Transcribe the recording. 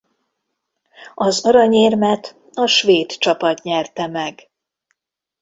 Az aranyérmet a svéd csapat nyerte meg.